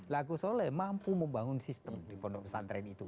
lah ghosnola mampu membangun sistem di pondok pesantren itu